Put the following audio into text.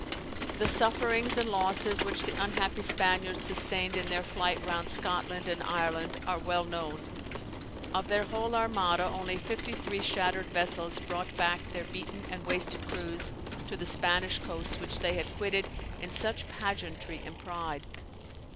The sufferings and losses which the unhappy Spaniards sustained in their flight round Scotland and Ireland, are well known. Of their whole Armada only fifty three shattered vessels brought back their beaten and wasted crews to the Spanish coast which they had quitted in such pageantry and pride.